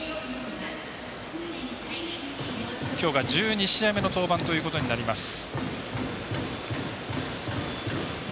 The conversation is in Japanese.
きょうが１２試合目の登板ということになります。